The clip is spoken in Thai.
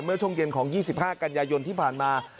เมื่อช่วงเย็นของ๒๕กันยายนที่ผ่านมา